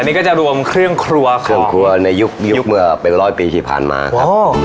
นี่ก็จะรวมเครื่องครัวครับเครื่องครัวในยุคเมื่อเป็นร้อยปีที่ผ่านมาครับ